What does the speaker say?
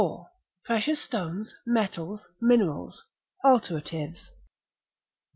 —Precious Stones, Metals, Minerals, Alteratives.